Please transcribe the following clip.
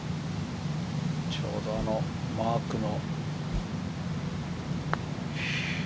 ちょうどマークの。